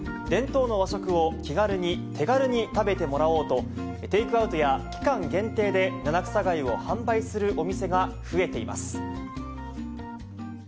伝統を和食を気軽に、手軽に食べてもらおうと、テイクアウトや期間限定で七草がゆを販売するお店が増えています。